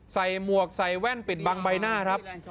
หมวกใส่แว่นปิดบังใบหน้าครับ